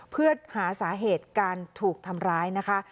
เพื่อหาสาเหตุการถูกทำร้ายนะคะ